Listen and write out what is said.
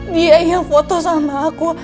dia ingin foto sama aku